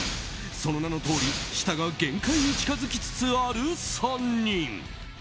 その名のとおり舌が限界に近づきつつある３人。